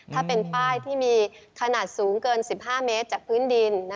ถ้าเป็นป้ายที่มีขนาดสูงเกิน๑๕เมตรจากพื้นดิน